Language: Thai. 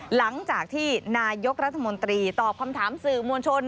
หลังจากที่นายกรัฐมนตรีตอบคำถามสื่อมวลชน